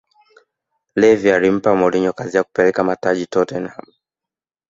levvy alimpa mourinho kazi ya kupeleka mataji tottenham